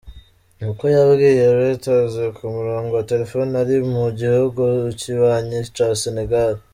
Ni ko yabwiye Reuters ku murongo wa telefone ari mu gihugu kibanyi ca Senegal.